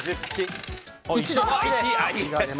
１です。